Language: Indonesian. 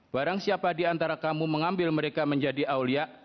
barang siapa diantara kamu mengambil mereka menjadi aulia